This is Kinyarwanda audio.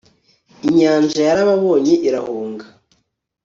inyanja yarababonye, irahunga